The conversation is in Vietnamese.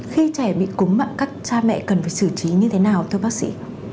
khi trẻ bị cúm các cha mẹ cần phải xử trí như thế nào thưa bác sĩ